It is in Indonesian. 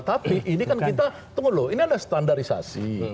tapi ini kan kita tunggu loh ini ada standarisasi